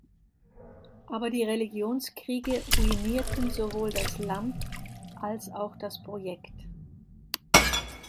Aber die Religionskriege ruinierten sowohl das Land als auch das Projekt.